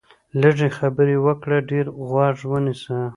لږې خبرې وکړه، ډېر غوږ ونیسه